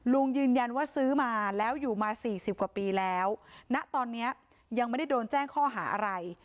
ลุงยืนยันว่าซื้อมาแล้วอยู่มาสี่สิบกว่าปีแล้วณตอนนี้ยังไม่ได้โดนแจ้งข้อหาอะไร